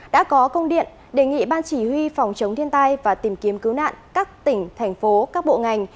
đã có công điện đề nghị ban chỉ huy phòng chống thiên tai và tìm kiếm cứu nạn các tỉnh thành phố các bộ ngành